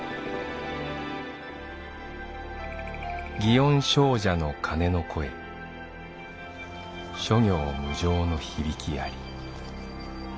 「祇園精舎の鐘の声諸行無常の響きあり。